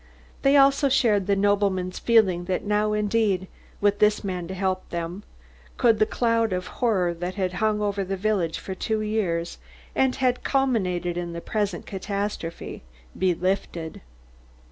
They also shared the nobleman's feeling that now indeed, with this man to help them, could the cloud of horror that had hung over the village for two years, and had culminated in the present catastrophe, be lifted.